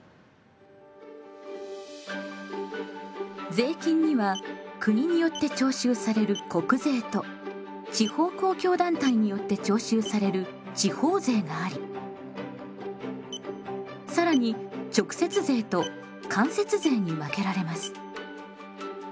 税金には国によって徴収される国税と地方公共団体によって徴収される地方税があり更に直接税と間接税に分けられます。